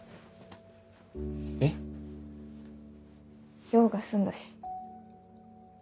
えっ？用が済んだし。